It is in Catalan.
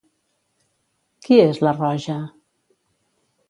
Qui és la Roja?